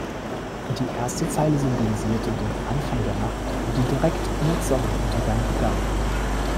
Die erste Zeile symbolisierte "den Anfang der Nacht", die direkt nach Sonnenuntergang begann.